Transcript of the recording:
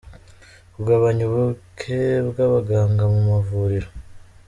kugabanya ubuke bw’abaganga mu mavuriro.